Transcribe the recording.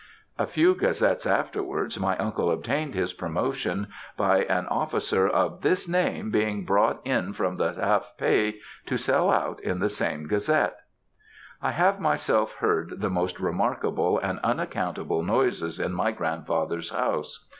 A few Gazettes afterwards my uncle obtained his promotion by an officer of this name being brought in from the half pay to sell out in the same Gazette. I have myself heard the most remarkable and unaccountable noises in my grandfather's house.